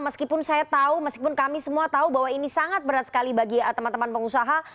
meskipun saya tahu meskipun kami semua tahu bahwa ini sangat berat sekali bagi teman teman pengusaha